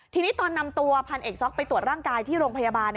ทีนี้ตอนนำตัวพันเอกซ็อกไปตรวจร่างกายที่โรงพยาบาล